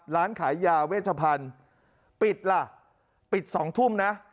ร้านขายยาเวชพันธุ์ปิดล่ะปิด๒ทุ่มนะ